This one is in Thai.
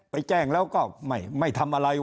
ไปแจ้งแล้วก็ไม่ทำอะไร